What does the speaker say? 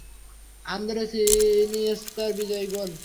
Andres ইনিয়েস্তার বিজয়ী গোল।